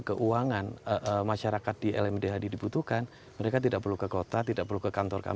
keuangan masyarakat di lmdh di butuhkan mereka tidak perlu ke kota tidak perlu ke kantor kami